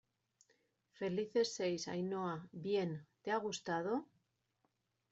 felices seis, Ainhoa. ¡ bien! ¿ te ha gustado?